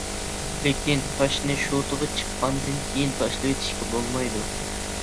لېكىن تاشنى شوتىغا چىققاندىن كېيىن تاشلىۋېتىشكە بولمايدۇ.